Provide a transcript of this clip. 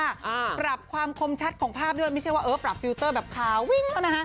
อ่าปรับความคมชัดของภาพด้วยไม่ใช่ว่าเออปรับฟิลเตอร์แบบขาวิ่งแล้วนะคะ